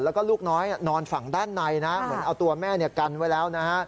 แล้วก็ลูกน้อยนอนฝั่งด้านในนะเหมือนเอาตัวแม่กันไว้แล้วนะฮะ